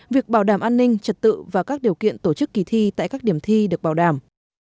việc bảo đảm an ninh trật tự và các điều kiện tổ chức kỳ thi tại các điểm thi được bảo đảm